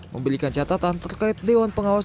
memberikan catatan terkait dewan pengawas